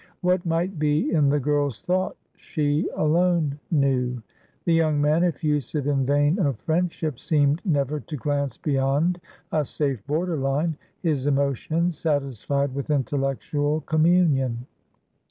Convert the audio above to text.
What might be in the girl's thought, she alone knew; the young man, effusive in vein of friendship, seemed never to glance beyond a safe borderline, his emotions satisfied with intellectual communion.